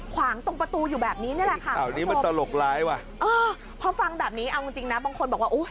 ขวางตรงประตูอยู่แบบนี้นี่แหละค่ะเพราะฟังแบบนี้เอาจริงนะบางคนบอกว่า